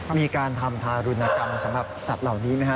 มีการทำทารุณกรรมสำหรับสัตว์เหล่านี้ไหมฮ